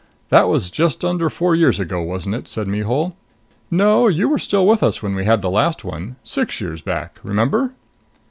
"That was just under four years ago, wasn't it?" Mihul said. "No, you were still with us when we had the last one.... Six years back. Remember?"